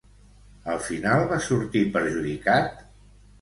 Al final va sortir perjudicat?